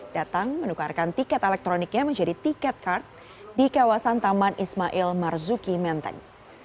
datang menukarkan tiket elektroniknya menjadi tiket kart di kawasan taman ismail marzuki menteng